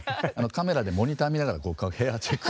カメラでモニター見ながらこうヘアチェック。